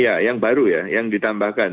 iya yang baru ya yang ditambahkan